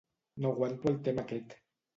No aguanto el tema aquest.